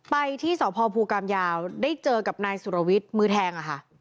ไปที่สพภูกรรมยาวได้เจอกับนายสุรวิทย์มือแทงอะค่ะ